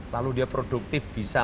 lalu dia produktif bisa